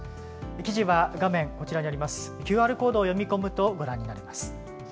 記事は画面、こちらにあります、ＱＲコードを読み込むとご覧になれます。